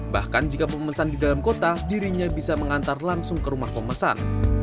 bahkan jika pemesan di dalam kota dirinya bisa mengantar langsung ke rumah pemesan